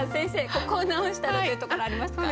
ここを直したらっていうところありますか？